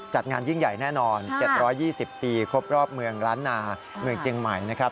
จัดงานยิ่งใหญ่แน่นอน๗๒๐ปีครบรอบเมืองล้านนาเมืองเจียงใหม่นะครับ